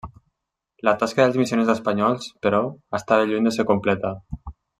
La tasca dels missioners espanyols, però, estava lluny de ser completa.